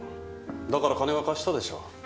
だから金は貸したでしょ。